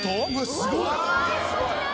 すごい！